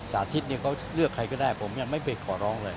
สาธิตเขาเลือกใครก็ได้ผมยังไม่ไปขอร้องเลย